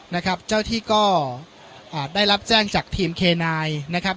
นะครับเจ้าที่ก็อ่าได้รับแจ้งจากทีมเคนายนะครับ